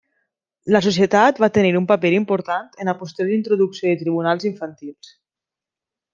La societat va tenir un paper important en la posterior introducció de tribunals infantils.